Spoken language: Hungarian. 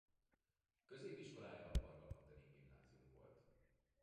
Középiskolája a Varga Katalin Gimnázium volt.